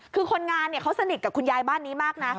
คือคนงานสนิทกับคุณยายมากนะ